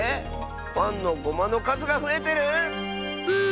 パンのゴマのかずがふえてる⁉ブー！